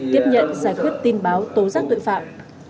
tiếp nhận giải quyết tin báo tố giác tội phạm